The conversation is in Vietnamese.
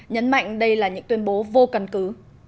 nhấn mạnh đây là những tuyên bố vô căn cứ